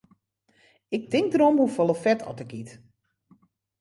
Ik tink derom hoefolle fet as ik yt.